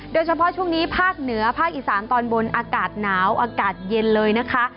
โดยเฉพาะช่วงนี้ภาคเหนือภาคอีสานตอนบนอากาศหนาวอากาศเย็นเลยนะคะ